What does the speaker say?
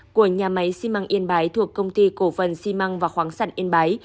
của nhà máy xi măng yên bái thuộc công ty cổ phần xi măng và khoáng sản yên bái